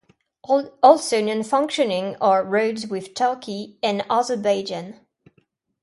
Also non-functioning are roads with Turkey and Azerbaijan.